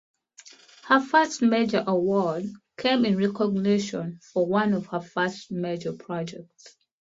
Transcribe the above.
Her first major award came in recognition for one of her first major projects.